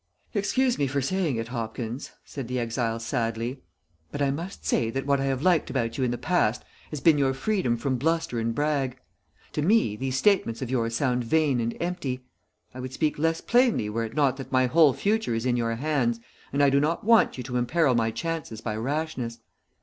"Excuse me for saying it, Hopkins," said the exile, sadly, "but I must say that what I have liked about you in the past has been your freedom from bluster and brag. To me these statements of yours sound vain and empty. I would speak less plainly were it not that my whole future is in your hands, and I do not want you to imperil my chances by rashness.